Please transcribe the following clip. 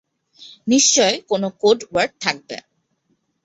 নিশ্চয় কোন code word থাকবে।